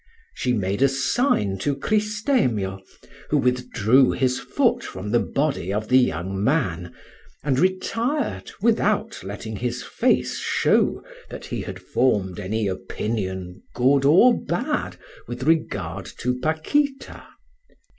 She made a sign to Cristemio, who withdrew his foot from the body of the young man, and retired without letting his face show that he had formed any opinion, good or bad, with regard to Paquita.